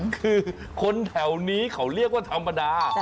คือคนแถวนี้เขาเรียกว่าธรรมดา